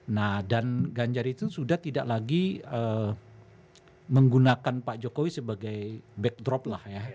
nah dan ganjar itu sudah tidak lagi menggunakan pak jokowi sebagai backdrop lah ya